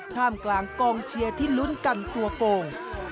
ท่ามกลางกองเชียร์ที่ลุ้นกันตัวโกง